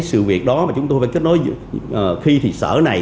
sự việc đó mà chúng tôi phải kết nối khi thì sở này